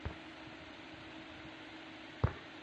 খুচরা ব্যবসায়ীদের বেশি লাভ দিয়ে এসব এয়ার ফ্রেশনার বিক্রি করা হয়।